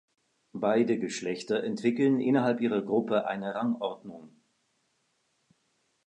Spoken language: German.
Beide Geschlechter entwickeln innerhalb ihrer Gruppe eine Rangordnung.